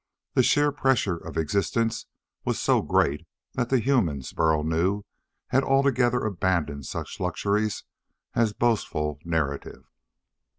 The sheer pressure of existence was so great that the humans Burl knew had altogether abandoned such luxuries as boastful narrative.